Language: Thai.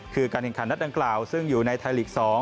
คือการแข่งขันนัดดังกล่าวซึ่งอยู่ในไทยลีก๒